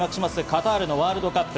カタールのワールドカップ。